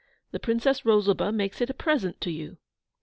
The Princess Rosalba makes it a present to you.